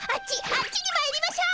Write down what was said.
あっちにまいりましょ！